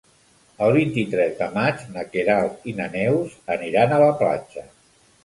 El vint-i-tres de maig na Queralt i na Neus aniran a la platja.